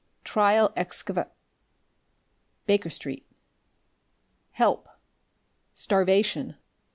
trial excavn.... Baker Street... help... starvation."